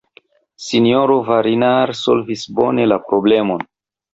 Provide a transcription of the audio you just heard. S-ro Varinard solvis bone la problemon.